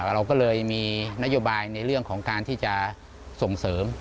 เราก็เลยมีนโยบายในเรื่องของการที่จะส่งเสริม